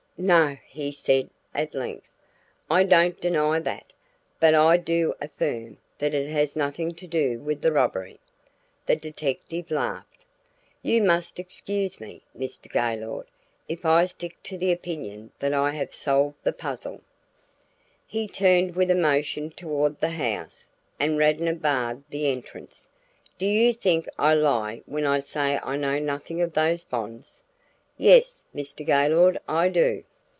"No," he said at length, "I don't deny that, but I do affirm that it has nothing to do with the robbery." The detective laughed. "You must excuse me, Mr. Gaylord, if I stick to the opinion that I have solved the puzzle." He turned with a motion toward the house, and Radnor barred the entrance. "Do you think I lie when I say I know nothing of those bonds?" "Yes, Mr. Gaylord, I do."